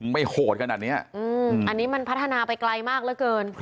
โหดขนาดนี้อันนี้มันพัฒนาไปไกลมากเหลือเกิน